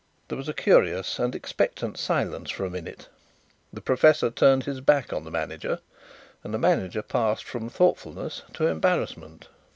There was a curious and expectant silence for a minute. The professor turned his back on the manager and the manager passed from thoughtfulness to embarrassment.